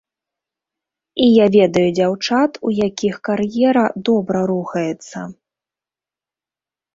І я ведаю дзяўчат, у якіх кар'ера добра рухаецца.